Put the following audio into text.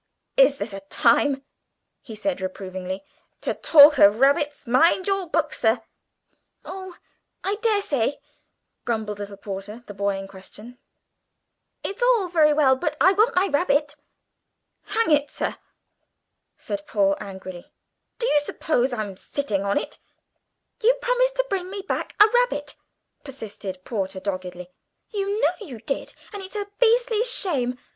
"Is this a time," he said reprovingly, "to talk of rabbits? Mind your book, sir." "Oh, I daresay," grumbled little Porter, the boy in question: "it's all very well, but I want my rabbit." "Hang it, sir," said Paul angrily, "do you suppose I'm sitting on it?" "You promised to bring me back a rabbit," persisted Porter doggedly; "you know you did, and it's a beastly shame.